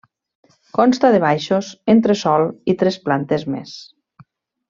Consta de baixos, entresòl i tres plantes més.